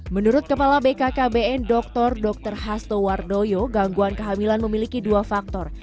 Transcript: menurut kepala bkkbn dr dr hasto wardoyo gangguan kehamilan memiliki dua faktor